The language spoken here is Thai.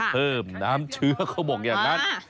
เพิ่มน้ำเชื้อเขาบอกอย่างนั้น